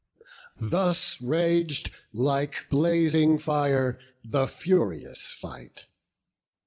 Thus rag'd, like blazing fire, the furious fight.